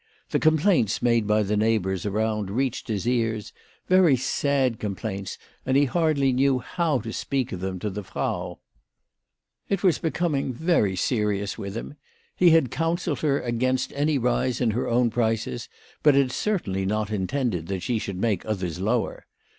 The complaints made by the neighbours around reached his ears, very sad complaints, and he hardly knew how to speak of them to the Frau. It was becoming very 44 WHY FRATJ FROHMANN RAISED HER PRICES. serious with him. He had counselled her against any rise in her own prices, but had certainly not in tended that she should make others lower.